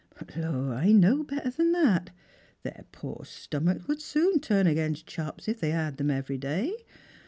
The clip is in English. But, lor, I know better than that. Their poor stomachs would soon turn against chops if they had thera every day.